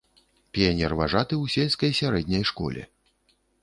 Піянерважаты ў сельскай сярэдняй школе.